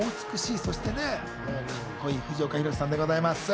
そしてカッコいい藤岡弘、さんでございます。